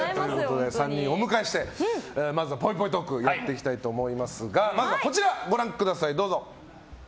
３人をお迎えしてまずはぽいぽいトークをやっていきたいと思いますがまずは、こちらをご覧ください。